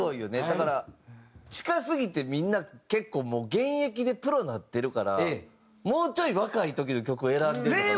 だから近すぎてみんな結構もう現役でプロになってるからもうちょい若い時の曲を選んでるのかなっていう。